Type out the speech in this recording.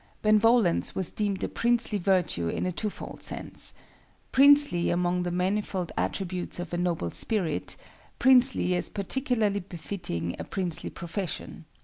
Benevolence was deemed a princely virtue in a twofold sense;—princely among the manifold attributes of a noble spirit; princely as particularly befitting a princely profession.